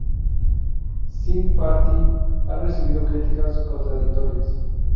Sing Party ha recibido críticas contradictorias.